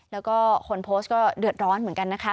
แล้วก็คนโพสต์ก็เดือดร้อนเหมือนกันนะคะ